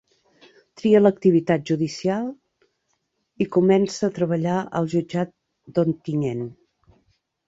Tria l'activitat judicial i comença a treballar al Jutjat d'Ontinyent.